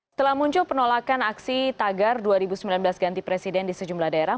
setelah muncul penolakan aksi tagar dua ribu sembilan belas ganti presiden di sejumlah daerah